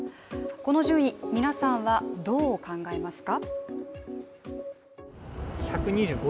この順位、皆さんはどう考えますか？